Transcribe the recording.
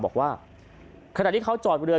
บอกว่าขณะที่เขาจอดเรือ